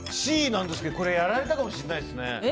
Ｃなんですけどやられたかもしれないですね。